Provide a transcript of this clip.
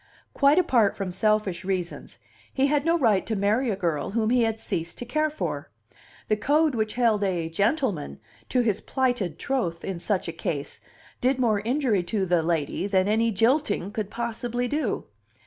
Quite apart from selfish reasons, he had no right to marry a girl whom he had ceased to care for. The code which held a "gentleman" to his plighted troth in such a case did more injury to the "lady" than any "jilting" could possibly do.